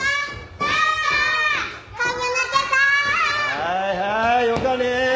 はいはいよかね。